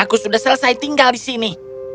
aku sudah selesai tinggal disini